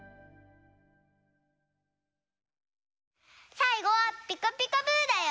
さいごは「ピカピカブ！」だよ。